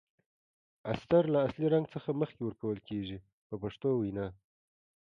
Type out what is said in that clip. استر له اصلي رنګ څخه مخکې ورکول کیږي په پښتو وینا.